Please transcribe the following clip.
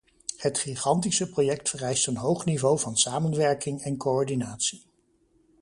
Het gigantische project vereist een hoog niveau van samenwerking en coördinatie.